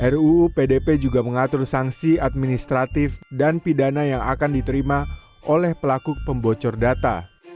ruu pdp juga mengatur sanksi administratif dan pidana yang akan diterima oleh pelaku pembocor data